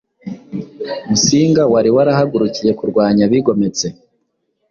musinga wari warahagurukiye kurwanya abigometse